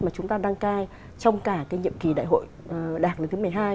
mà chúng ta đăng cai trong cả cái nhiệm kỳ đại hội đảng lần thứ một mươi hai